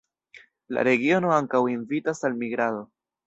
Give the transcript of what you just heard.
La regiono ankaŭ invitas al migrado.